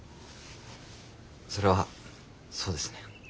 それはそうですね。